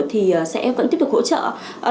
thì sẽ vẫn tiếp tục hỗ trợ